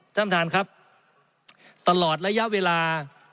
ท่านประธานครับตลอดระยะเวลา